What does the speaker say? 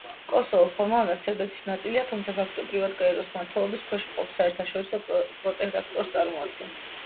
კოსოვო ფორმალურად სერბეთის ნაწილია, თუმცა ფაქტობრივად გაეროს მმართველობის ქვეშ მყოფ საერთაშორისო პროტექტორატს წარმოადგენს.